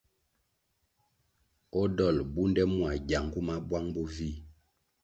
O dolʼ bunde mua gyangu ma buang bo vih.